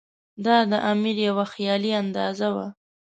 دا د امیر یوه خیالي اندازه وه.